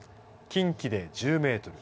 近畿で１０メートル